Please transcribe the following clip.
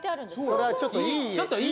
それはちょっといい家。